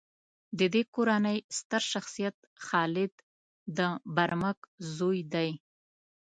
د دې کورنۍ ستر شخصیت خالد د برمک زوی دی.